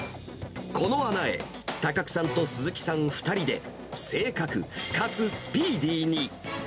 この穴へ、高久さんと鈴木さん２人で、正確、かつスピーディーに。